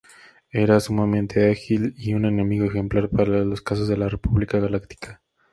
Era sumamente ágil y un enemigo ejemplar para los cazas de la República Galáctica.